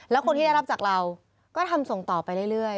แล้วคนที่ได้รับจากเราก็ทำส่งต่อไปเรื่อย